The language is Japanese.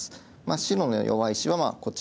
白の弱い石はこちらとこちら。